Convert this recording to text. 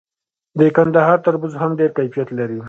د کندهار تربوز هم ډیر کیفیت لري.